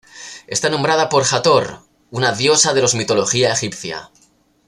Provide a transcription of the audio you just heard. Está nombrado por Hathor, una diosa de los mitología egipcia.